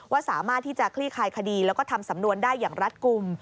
สามารถที่จะคลี่คลายคดีแล้วก็ทำสำนวนได้อย่างรัฐกลุ่ม